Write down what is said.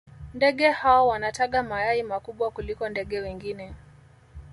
ndege hao wanataga mayai makubwa kuliko ndege wengine